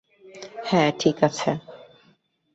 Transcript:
হ্যাঁ, ঠিক আছি।